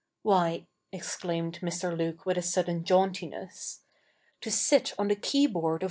Why,' exclaimed Mr. Luke with a sudden jauntiness, ' to sit on the key board of an CH.